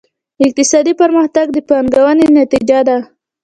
اقتصادي پرمختګ د پانګونې نتیجه ده.